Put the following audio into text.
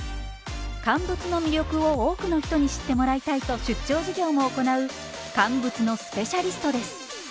乾物の魅力を多くの人に知ってもらいたいと出張授業も行う乾物のスペシャリストです。